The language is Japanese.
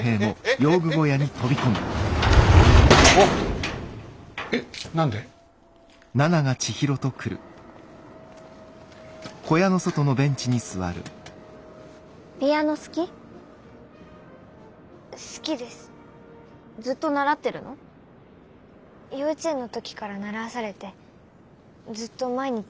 幼稚園の時から習わされてずっと毎日弾いてました。